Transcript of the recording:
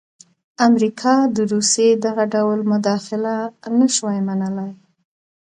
امریکا د روسیې دغه ډول مداخله نه شوای منلای.